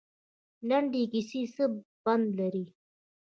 لنډې کیسې څه پند لري؟